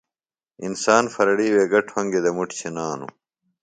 انسان پھرڑیوے گہ ٹھوۡنگیۡ دےۡ مُٹ چِھنانوۡ